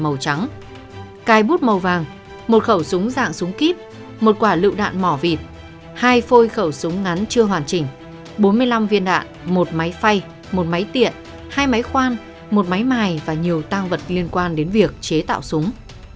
màu trắng cài bút màu vàng một khẩu súng dạng súng kíp một quả lựu đạn mỏ vịt hai phôi khẩu súng ngắn chưa hoàn chỉnh bốn mươi năm viên đạn một máy phay một máy tiện hai máy khoan một máy mài và nhiều tăng vật liên quan đến việc chế tạo súng